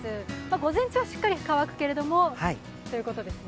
午前中はしっかり乾くけれどもということですね。